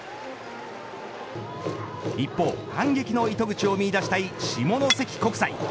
一方、反撃の糸口を見いだしたい下関国際。